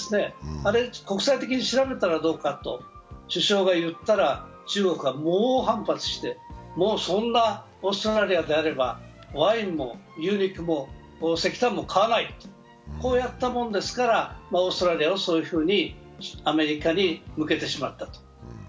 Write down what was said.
あれ国際的に調べたらどうかと首相が言ったら中国が猛反発して、もうそんなオーストラリアであればワインも牛肉も石炭も買わない、こうやったもんですから、オーストラリアはそういうふうにアメリカに向けてしまったと。